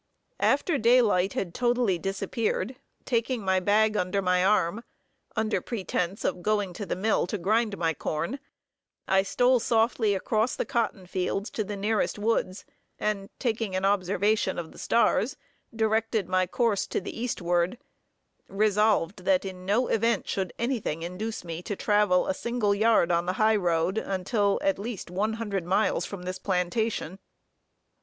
After daylight had totally disappeared, taking my bag under my arm, under pretense of going to the mill to grind my corn, I stole softly across the cotton fields to the nearest woods, and taking an observation of the stars, directed my course to the eastward, resolved that in no event should anything induce me to travel a single yard on the high road, until at least one hundred miles from this plantation.